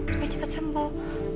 supaya cepat sembuh